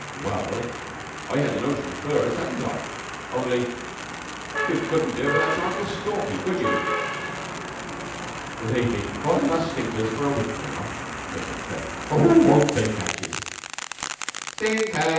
"Well, I had the notion first, hadn't I ? only " "You couldn't do it without your Uncle Stalky, could you?" "They've been calling us stinkers for a week now," said McTurk. "Oh, won't they catch it!" "Stinker!